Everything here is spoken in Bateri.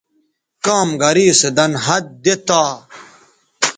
کام گرے سو دَن ہَت دی تا